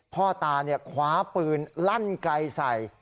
พ่อตาคว้าปืนลั่นไกลใส่